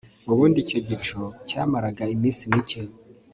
ubundi icyo gicu cyamaraga iminsi mike